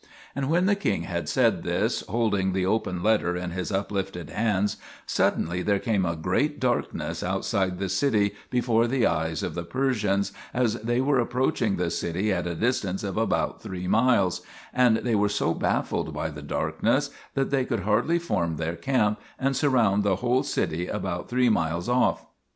And when the king had said this, holding the open letter in his uplifted hands, suddenly there came a great darkness outside the city before the eyes of the Persians, as they were approaching the city at a distance of about three miles, and they were so baffled by the darkness that they could hardly form their camp and surround the whole city about three miles off.